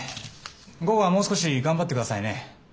午後はもう少し頑張って下さいね。